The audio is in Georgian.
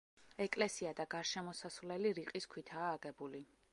ეკლესია და გარშემოსასვლელი რიყის ქვითაა აგებული.